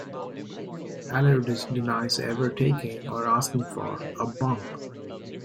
Allardyce denies ever taking, or asking for, a "bung".